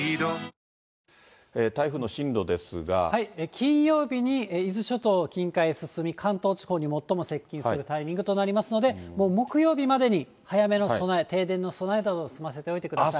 金曜日に、伊豆諸島近海へ進み、関東地方に最も接近するタイミングとなりますので、もう木曜日までに、早めの備え、停電の備えだとか済ませておいてください。